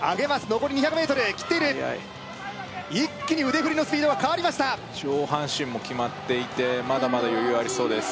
残り２００ｍ切っている一気に腕振りのスピードが変わりました上半身も決まっていてまだまだ余裕ありそうです